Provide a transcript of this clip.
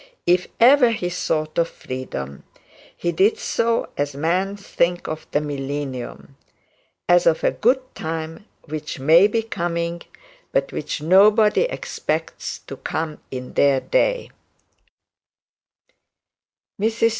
If ever he thought of freedom, he did so, as men think of the millennium, as of a good time which may be coming, but which nobody expects to come in their day.